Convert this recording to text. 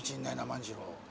万次郎。